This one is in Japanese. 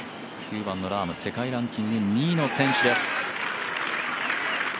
９番のラームも世界ランキング２位の選手です。